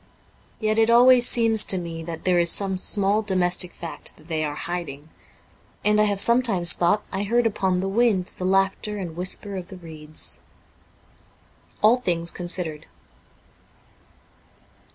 Yet it always seems to me that there is some small domestic fact that they are hiding, and I have sometimes thought I heard upon the wind the laughter and whisper of the reeds. ' All Things Considered.